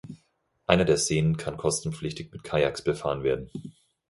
Einer der Seen kann kostenpflichtig mit Kajaks befahren werden.